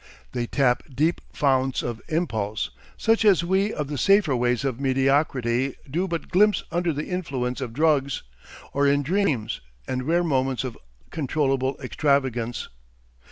They tap deep founts of impulse, such as we of the safer ways of mediocrity do but glimpse under the influence of drugs, or in dreams and rare moments of controllable extravagance.